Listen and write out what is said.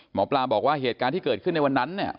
หมอปลาบอกว่าเหตุการณ์ที่เกิดขึ้นในวันนั้นเนี่ย